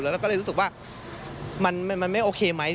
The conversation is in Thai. แล้วก็เลยรู้สึกว่ามันไม่โอเคไหม